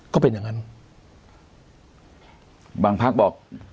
ก็เป็นอย่างนั้นบางพักบอก